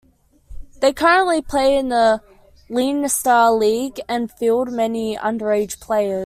They currently play in the leinster league and field many underage players.